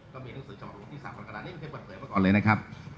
ก็มีหนังสือชาวภูมิที่๓มันกระดานนี้เคยเปิดเผยมาก่อนเลยนะครับ